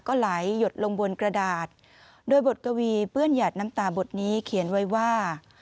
ก็ไหลหยดลงบนกระดาษโดยบทกวีเปื้อนหยัดน้ำตาบทนี้เขียนไว้ว่า